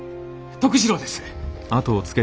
徳次郎です。